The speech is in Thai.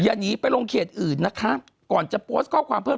หนีไปลงเขตอื่นนะคะก่อนจะโพสต์ข้อความเพิ่ม